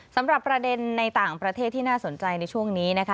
สำหรับประเด็นในต่างประเทศที่น่าสนใจในช่วงนี้นะคะ